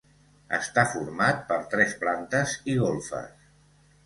Està format per tres plantes i golfes.